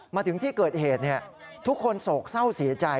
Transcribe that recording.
มาถึงที่เกิดเหตุทุกคนโศกเศร้าเสียใจ